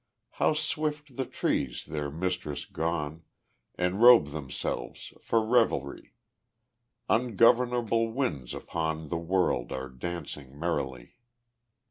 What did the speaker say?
How swift the trees, their mistress gone, Enrobe themselves for revelry! Ungovernable winds upon The wold are dancing merrily.